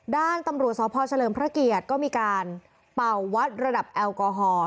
ด้านตำรวจสพเฉลิมพระเกียรติก็มีการเป่าวัดระดับแอลกอฮอล์